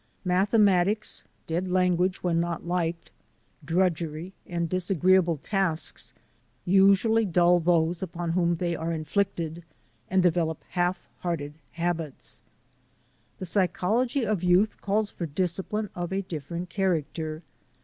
Mathematics, dead lan guages when not liked, drudgery, and disagreeable tasks usually dull those upon whom they are in flicted and develop half hearted habits. The psychology of youth calls for discipline of a different character.